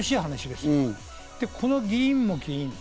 で、この議員も議員。